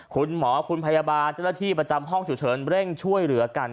คุณหมอคุณพยาบาลเจ้าหน้าที่ประจำห้องฉุกเฉินเร่งช่วยเหลือกัน